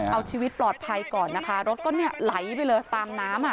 เอาชีวิตปลอดภัยก่อนนะคะรถก็เนี่ยไหลไปเลยตามน้ำอ่ะ